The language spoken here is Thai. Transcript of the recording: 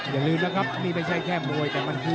อย่าลืมนะครับมีไม่ใช่แค่มวย